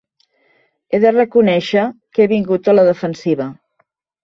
He de reconèixer que he vingut a la defensiva.